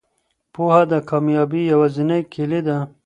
پوهه د کامیابۍ یوازینۍ کیلي ده.